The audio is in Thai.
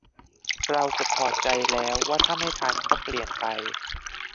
เราเกือบถอดใจแล้วว่าถ้าไม่ทันก็เปลี่ยนไป